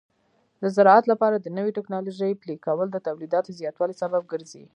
د زراعت لپاره د نوې ټکنالوژۍ پلي کول د تولیداتو زیاتوالي سبب ګرځي.